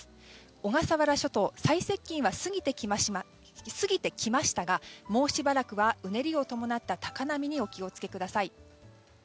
小笠原諸島、最接近は過ぎてきましたがもうしばらくは、うねりを伴った高波にお気をつけください。